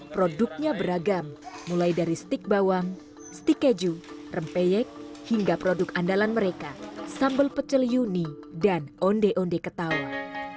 produknya beragam mulai dari stik bawang stik keju rempeyek hingga produk andalan mereka sambal pecel yuni dan onde onde ketawa